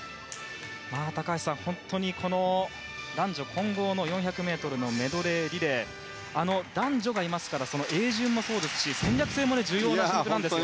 高橋さん、本当にこの男女混合の４００ｍのメドレーリレー男女がいますから泳順もそうですし戦略性も重要な感じですね。